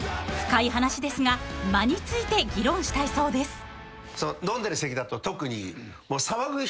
［深い話ですが間について議論したいそうです］